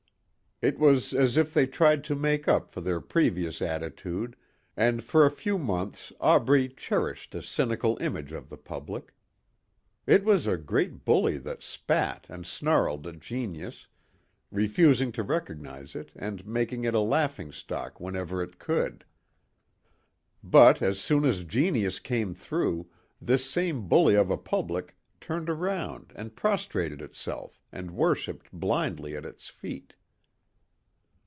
It was as if they tried to make up for their previous attitude, and for a few months Aubrey cherished a cynical image of the public. It was a great bully that spat and snarled at genius, refusing to recognize it and making it a laughing stock wherever it could. But as soon as genius came through, this same bully of a public turned around and prostrated itself and worshipped blindly at its feet.